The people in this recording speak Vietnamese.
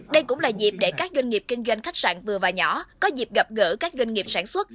đây cũng là dịp để các doanh nghiệp kinh doanh khách sạn vừa và nhỏ có dịp gặp gỡ các doanh nghiệp sản xuất